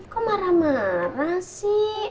kok marah marah sih